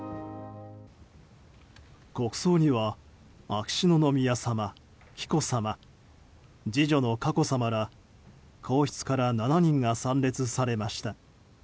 国葬には秋篠宮さま、紀子さま次女の佳子さまら皇室から７人が参列されました。